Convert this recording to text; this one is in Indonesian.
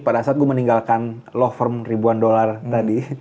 pada saat gue meninggalkan law firm ribuan dolar tadi